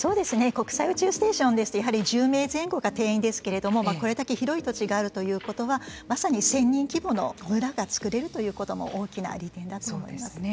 国際宇宙ステーションですとやはり１０名前後が定員ですけれどもこれだけ広い土地があるということはまさに１，０００人規模の村が作れるということも大きな利点だと思います。